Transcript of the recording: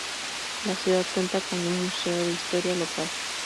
La ciudad cuenta con nu museo de historia local.